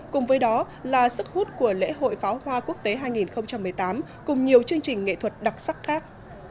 cùng với đó là sức hút của lễ hội pháo hoa quốc tế hai nghìn một mươi tám cùng nhiều chương trình nghệ thuật đặc sắc khác